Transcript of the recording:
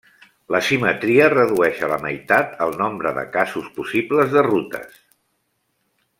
La simetria redueix a la meitat el nombre de casos possibles de rutes.